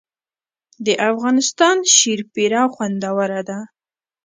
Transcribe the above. د افغانستان شیرپیره خوندوره ده